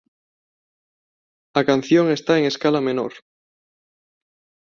A canción está en escala menor.